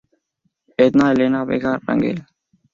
Edna Elena Vega Rangel.